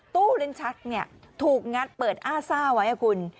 ตู้เล่นชัดถูกงัดเปิดอ้าซ่าไว้ครับคุณ